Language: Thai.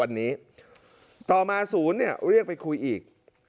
วันนี้ต่อมาศูนย์เนี่ยเรียกไปคุยอีก